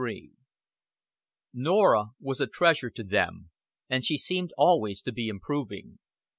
XXIII Norah was a treasure to them, and she seemed always to be improving.